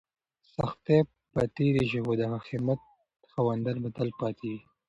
سختۍ به تېرې شي خو د همت خاوندان به تل پاتې وي.